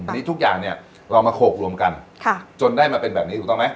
อันนี้ทุกอย่างเนี่ยเรามาโขกรวมกันจนได้มาเป็นแบบนี้ถูกต้องไหม